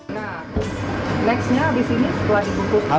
nah next nya abis ini setelah dipungkus teratai